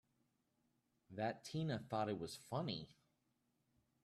That Tina thought it was funny!